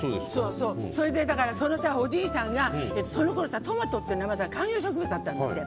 それで、おじいさんがそのころトマトっていうのが観葉植物だったんだって。